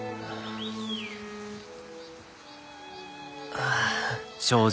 ああ。